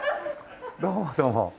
どうもどうも。